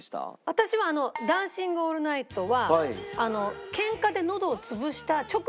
私は『ダンシング・オールナイト』は。